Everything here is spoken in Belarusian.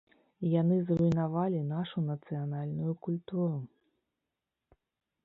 Яны зруйнавалі нашу нацыянальную культуру.